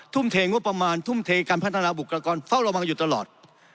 ทุ่มเทงบประมาณทุ่มเทการพัฒนาบุคลากรเฝ้าระวังกันอยู่ตลอด